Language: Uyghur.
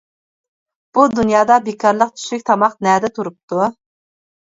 بۇ دۇنيادا بىكارلىق چۈشلۈك تاماق نەدە تۇرۇپتۇ!